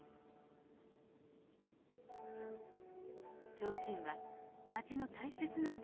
提灯は町の大切な財産。